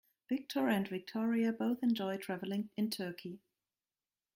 Victor and Victoria both enjoy traveling in Turkey.